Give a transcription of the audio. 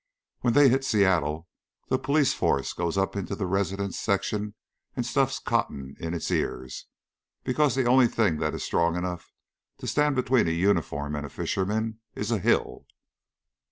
When they hit Seattle, the police force goes up into the residence section and stufts cotton in its ears, because the only thing that is strong enough to stand between a uniform and a fisherman is a hill."